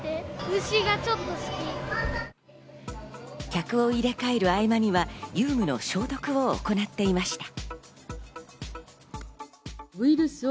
客を入れ替える合間には、遊具の消毒を行っていました。